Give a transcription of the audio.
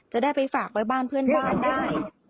จะได้ไปฝากไว้บ้านเพื่อนบ้านได้